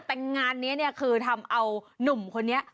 แต่งานนี้เนี่ยคือทำเอานุ่มคนนี้